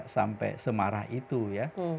sampai semarah itu ya